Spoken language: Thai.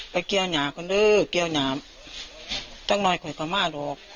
ไปเกี่ยวหน่ากันดื้อเกี่ยวหน่าตั้งน้อยค่อยต่อมาหลอก